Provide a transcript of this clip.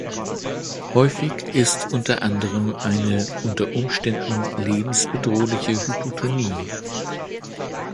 Häufig ist unter anderem eine unter Umständen lebensbedrohliche Hypotonie.